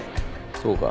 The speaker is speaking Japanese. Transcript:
そうか。